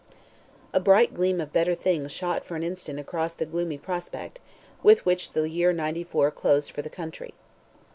A bright gleam of better things shot for an instant across the gloomy prospect, with which the year '94 closed for the country.